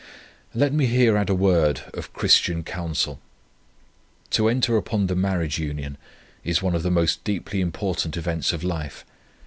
"Let me here add a word of Christian counsel. To enter upon the marriage union is one of the most deeply important events of life.